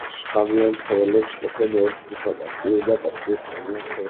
შხამიან ცხოველებს ყოფენ ორ ჯგუფად: აქტიურ და პასიურ შხამიან ცხოველებად.